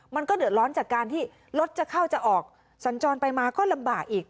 มันก็เดือดร้อนจากการที่รถจะเข้าจะออกสัญจรไปมาก็ลำบากอีก